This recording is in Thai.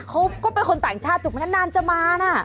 เขาก็เป็นคนต่างชาติจุกมานานจะมานะ